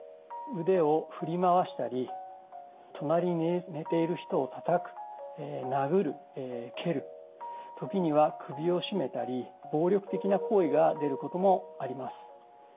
腕を振り回したり隣に寝ている人をたたく殴る蹴る時には首を絞めたり暴力的な行為が出ることもあります。